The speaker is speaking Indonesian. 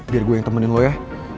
biar saya yang temenin kamu ya